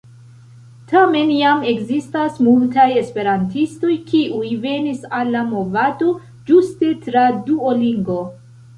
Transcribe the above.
Tamen jam ekzistas multaj esperantistoj, kiuj venis al la movado ĝuste tra Duolingo.